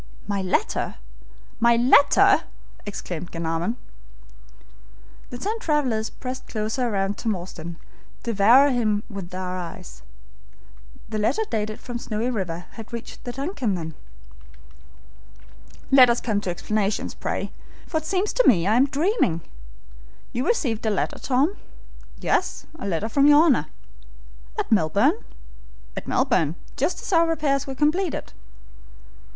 "My letter! my letter!" exclaimed Glenarvan. The ten travelers pressed closer round Tom Austin, devouring him with their eyes. The letter dated from Snowy River had reached the DUNCAN, then. "Let us come to explanations, pray, for it seems to me I am dreaming. You received a letter, Tom?" "Yes, a letter from your Honor." "At Melbourne?" "At Melbourne, just as our repairs were completed."